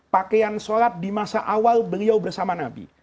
pakaian sholat di masa awal beliau bersama nabi